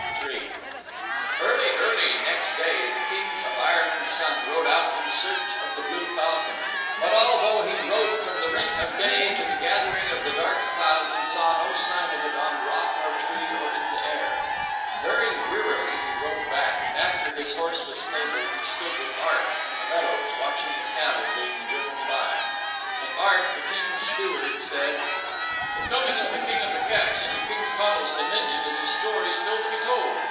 III Early, early, next day the King of Ireland's Son rode out in search of the blue falcon, but although he rode from the ring of day to the gathering of the dark clouds he saw no sign of it on rock or tree or in the air. Very wearily he rode back, and after his horse was stabled he stood with Art in the meadows watching the cattle being driven by. And Art, the King's Steward, said: "The Coming of the King of the Cats into King Connal's dominion is a story still to be told.